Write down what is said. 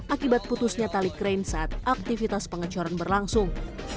akibat putusnya tali krain saat aktivitas pengecoran berlangsung